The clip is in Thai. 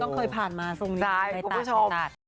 ทุกคนก็เคยผ่านมาทรงนี้ในตาด